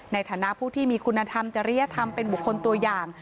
ในฐานะผู้ที่มีคุณธรรมจริยธรรมเป็นบุคคลตัวอย่าง